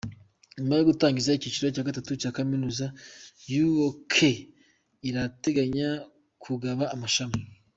Nyuma yo gutangiza icyiciro cya gatatu cya Kaminuza, UoK irateganya kugaba amashami.